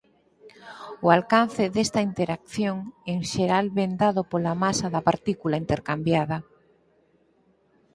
O alcance desta interacción en xeral ven dado pola masa da partícula intercambiada.